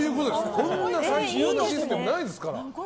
こんな最新のシステムないですから。